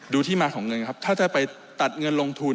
ที่มาของเงินครับถ้าจะไปตัดเงินลงทุน